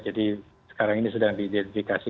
jadi sekarang ini sedang diidentifikasi